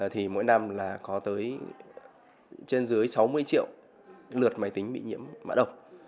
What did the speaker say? thì mỗi năm là có tới trên dưới sáu mươi triệu lượt máy tính bị nhiễm mã độc